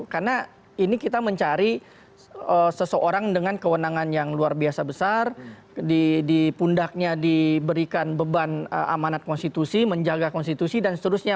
karena ini kita mencari seseorang dengan kewenangan yang luar biasa besar dipundaknya diberikan beban amanat konstitusi menjaga konstitusi dan seterusnya